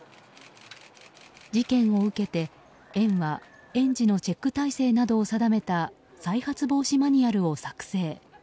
事件を受けて、園は園児のチェック体制などを定めた再発防止マニュアルを作成。